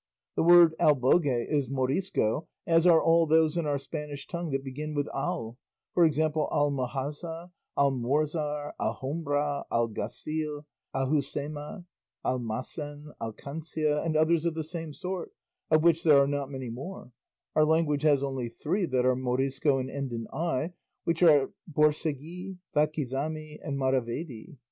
The word albogue is Morisco, as are all those in our Spanish tongue that begin with al; for example, almohaza, almorzar, alhombra, alguacil, alhucema, almacen, alcancia, and others of the same sort, of which there are not many more; our language has only three that are Morisco and end in i, which are borcegui, zaquizami, and maravedi.